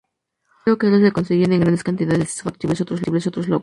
El acero que ahora se conseguía en grandes cantidades hizo factibles otros logros.